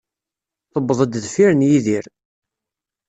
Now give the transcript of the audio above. Tewweḍ-d deffir n Yidir.